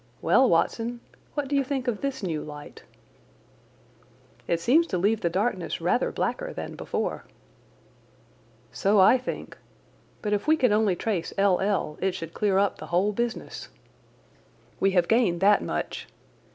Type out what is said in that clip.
"Well, Watson, what do you think of this new light?" "It seems to leave the darkness rather blacker than before." "So I think. But if we can only trace L. L. it should clear up the whole business. We have gained that much.